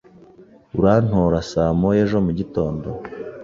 Urantora saa moya ejo mugitondo?